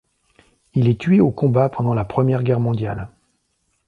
Il est tué au combat pendant la Première Guerre mondiale.